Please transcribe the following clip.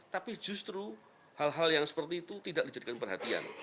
tapi justru hal hal yang seperti itu tidak dijadikan perhatian